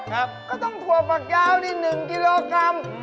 ก็ต้องถั่วปากย้าวนี่หนึ่งกิโลกรัม